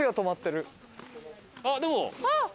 あっでも。